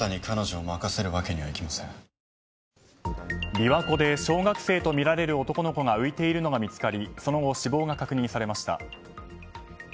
琵琶湖で小学生とみられる男の子が浮いているのが見つかりその後、死亡が確認されました。